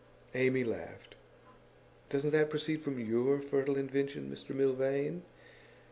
Amy laughed. 'Doesn't that proceed from your fertile invention, Mr Milvain?